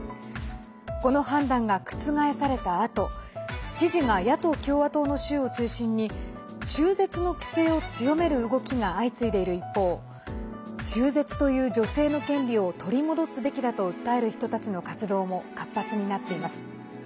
この判断が覆されたあと知事が野党・共和党の州を中心に中絶の規制を強める動きが相次いでいる一方中絶という女性の権利を取り戻すべきだと訴える人たちの活動も活発になっています。